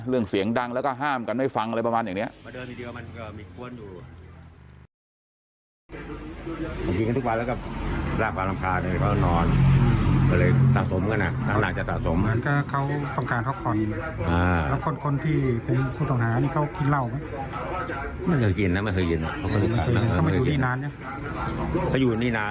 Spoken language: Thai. เสียงดังแล้วก็ห้ามกันไม่ฟังอะไรประมาณอย่างนี้